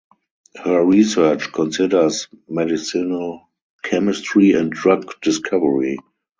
Her research considers medicinal chemistry and drug discovery.